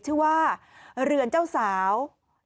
ชื่อว่าเรือนเจ้าสาว